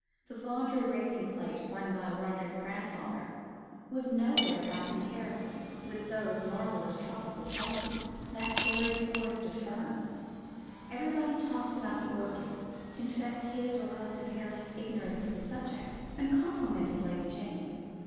The Vawdrey racing plate, won by Roderick's grandfather, was nowhere by comparison with those marvellous tropical blossoms, that fairy forest of fern. Everybody talked about the orchids, confessed his or her comparative ignorance of the subject, and complimented Lady Jane.